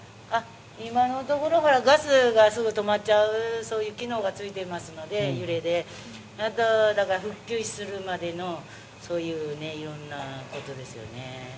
今のところ揺れでガスがすぐ止まっちゃうそういう機能がついていますのでだから復旧するまでのそういう色んなことですよね。